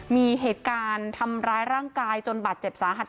มีเหตุการณ์ทำร้ายร่างกายจนบาดเจ็บสาหัส